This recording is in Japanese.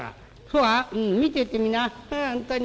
「うん見てってみな本当に。